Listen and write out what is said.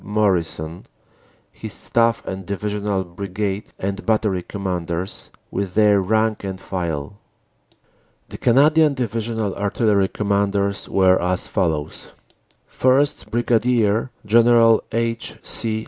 Morrison, his Staff and Divisional Brigade and Battery Commanders, with their rank and file. The Canadian Divisional Artillery Commanders were as follows: 1st, Brig. General H. C.